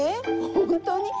本当に？